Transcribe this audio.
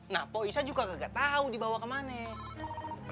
nah po isah juga gak tahu dibawa ke mana